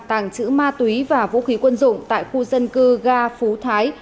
tàng trữ ma túy và vũ khí quân dụng tại khu dân cư ga phú thái